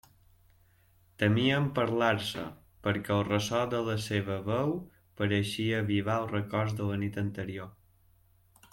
Temien parlar-se, perquè el ressò de la seua veu pareixia avivar els records de la nit anterior.